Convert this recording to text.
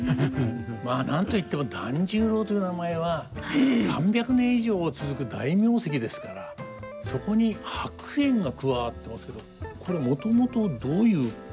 まあ何と言っても團十郎という名前は３００年以上続く大名跡ですからそこに白猿が加わってますけどこれもともとどういうことから始まったんですか？